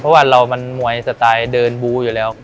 เพราะว่าเรามันมวยสไตล์เดินบูอยู่แล้ว